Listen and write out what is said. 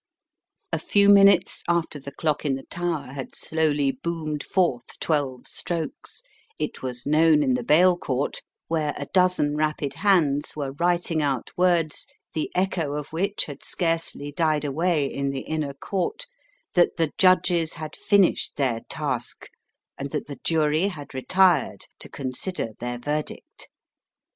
A few minutes after the clock in the tower had slowly boomed forth twelve strokes it was known in the Bail Court, where a dozen rapid hands were writing out words the echo of which had scarcely died away in the inner court, that the Judges had finished their task, and that the Jury had retired to consider their verdict.